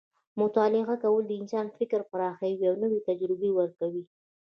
مطالعه کول د انسان فکر پراخوي او نوې تجربې ورکوي.